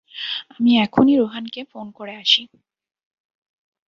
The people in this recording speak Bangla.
আমি এখনই রোহানকে ফোন করে আসি।